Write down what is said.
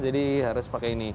jadi harus pakai ini